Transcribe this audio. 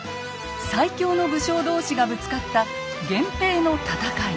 最強の武将同士がぶつかった源平の戦い。